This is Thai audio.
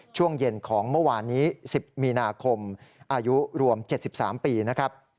ช่วงเย็นของเมื่อวานนี้๑๐มีนาคมอายุรวม๗๓ปีนะครับ